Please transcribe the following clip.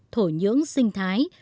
thổ nhưỡng sinh thái